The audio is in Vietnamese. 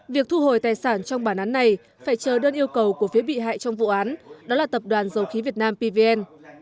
việc thu hồi tài sản trong bản án này phải chờ đơn yêu cầu của phía bị hại trong vụ án đó là tập đoàn dầu khí việt nam pvn